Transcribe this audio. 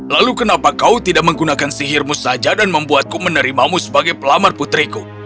lalu kenapa kau tidak menggunakan sihirmu saja dan membuatku menerimamu sebagai pelamar putriku